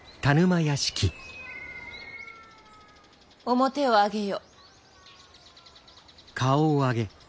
面を上げよ。